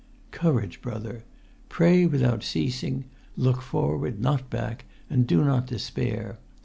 Courage, brother! Pray without ceasing. Look forward, not back; and do not despair.